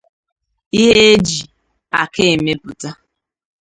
ihe e ji aka emepụta